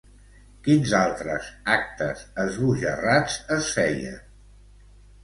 Quins altres actes esbojarrats es feien?